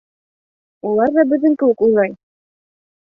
Улар ҙа беҙҙең кеүек уйлай!